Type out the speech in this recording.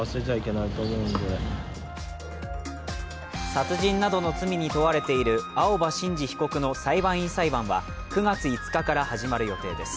殺人などの罪に問われている青葉真司被告の裁判員裁判は９月５日から始まる予定です。